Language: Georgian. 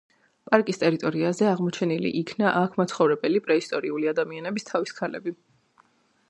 პარკის ტერიტორიაზე აღმოჩენილ იქნა აქ მაცხოვრებელი პრეისტორიული ადამიანების თავის ქალები.